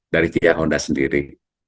dari pihak honda sendiri